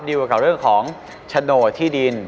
ดีกว่าเรื่องของชโนที่ดิน